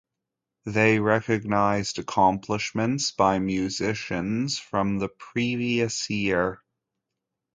They recognized accomplishments by musicians from the previous year.